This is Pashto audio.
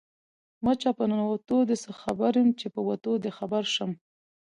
ـ مچه په نتو دې څه خبر يم ،چې په وتو دې خبر شم.